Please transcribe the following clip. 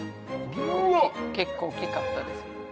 うわっ結構大きかったですよ